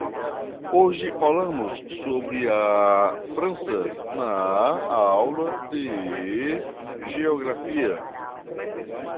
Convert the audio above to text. Hoje falamos sobre a França na aula de geografia.